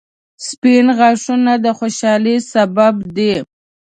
• سپین غاښونه د خوشحالۍ سبب دي